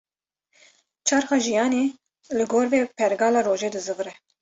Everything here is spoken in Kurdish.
Çerxa jiyanê, li gor vê pergala rojê dizîvire